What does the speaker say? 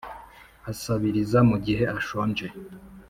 asabiriza mu gihe ashonje.